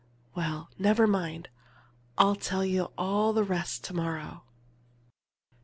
Well, never mind, I'll tell you all the rest to morrow!"